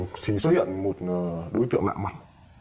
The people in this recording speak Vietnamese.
thì xuất hiện một đối tượng lạ mặt